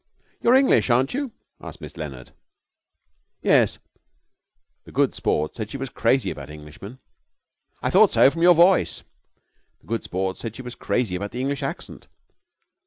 'You're English, aren't you?' asked Miss Leonard. 'Yes.' The Good Sport said she was crazy about Englishmen. 'I thought so from your voice.' The Good Sport said that she was crazy about the English accent.